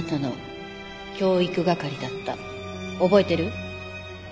覚えてる？